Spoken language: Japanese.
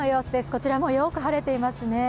こちらもよく晴れてますね。